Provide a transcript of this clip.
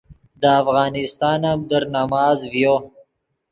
دے افغانستان ام در نماز ڤیو